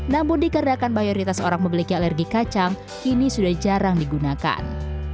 namun dikarenakan mayoritas orang memiliki alergi kacang kini sudah jarang digunakan